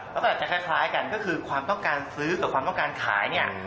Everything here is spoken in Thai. แล้วก็อาจจะคล้ายกันก็คือความต้องการซื้อกับความต้องการขายเนี่ย